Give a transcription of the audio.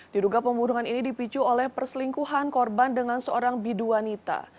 diruga pembunuhan ini dipicu oleh perselingkuhan korban dengan seorang biduanita